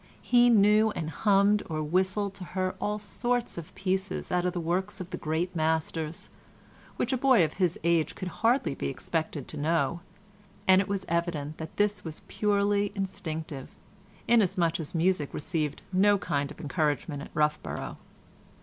He knew, and hummed or whistled to her all sorts of pieces out of the works of the great masters, which a boy of his age could hardly be expected to know, and it was evident that this was purely instinctive, inasmuch as music received no kind of encouragement at Roughborough.